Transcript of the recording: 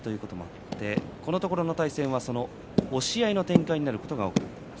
ですからこのところは押し合いの展開になることも多くなっています。